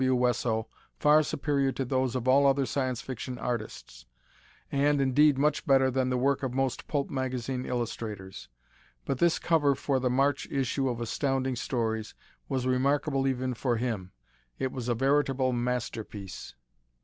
W. Wesso far superior to those of all other Science Fiction artists, and, indeed, much better than the work of most pulp magazine illustrators. But his cover for the March issue of Astounding Stories was remarkable even for him; it was a veritable masterpiece.